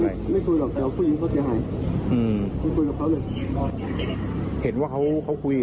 กลัวดีแต่ผมให้ภายเข้าไปแล้วนะ